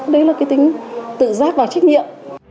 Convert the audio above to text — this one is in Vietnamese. đấy là cái tính tự giác và trách nhiệm